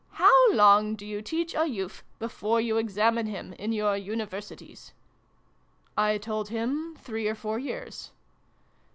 How long do you teach a youth before you examine him, in your Universities ?" I told him, three or four years.